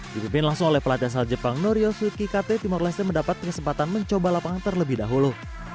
dipimpin langsung oleh pelatih asal jepang norio sudki kate timur leste mendapat kesempatan mencoba lapangan terlebih dahulu